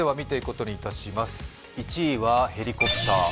１位はヘリコプター。